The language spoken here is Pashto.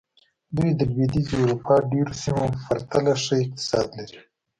دوی د لوېدیځې اروپا ډېرو سیمو په پرتله ښه اقتصاد لري.